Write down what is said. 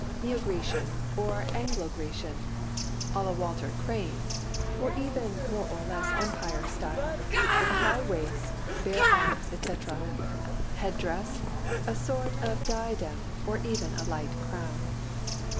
Neo Grecian or Anglo Grecian (à la Walter Crane) or even more or less Empire style: a high waist, bare arms, etc. Head dress: a sort of diadem or even a light crown.